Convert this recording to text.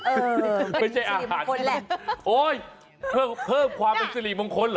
เออไม่ใช่อาหารโอ๊ยเพิ่มความเป็นสิริมงคลเหรอ